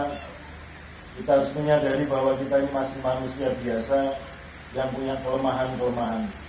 kita harus menyadari bahwa kita ini masih manusia biasa yang punya kelemahan kelemahan